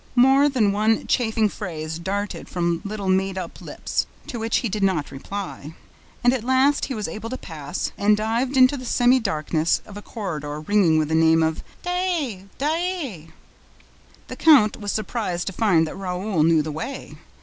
More than one chaffing phrase darted from little made up lips, to which he did not reply; and at last he was able to pass, and dived into the semi darkness of a corridor ringing with the name of "Daae! Daae!" The count was surprised to find that Raoul knew the way.